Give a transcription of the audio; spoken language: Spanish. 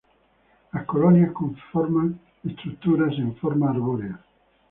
Las colonias conforman estructuras en forma arbórea.